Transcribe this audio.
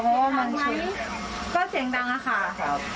เพราะว่าไม่ค่อยนั่งรถทัวร์